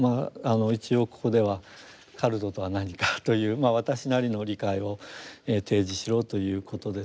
一応ここではカルトとは何かという私なりの理解を提示しろということですので。